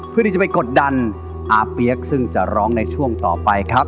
เพื่อที่จะไปกดดันอาเปี๊ยกซึ่งจะร้องในช่วงต่อไปครับ